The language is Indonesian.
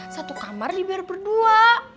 satu kamar dibiar berdua